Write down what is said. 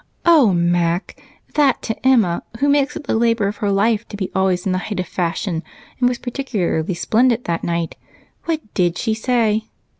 "Oh, Mac! That to Emma, who makes it the labor of her life to be always in the height of fashion and was particularly splendid that night. What did she say?"